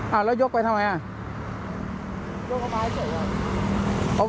ไม่ได้เอาไปแล้ว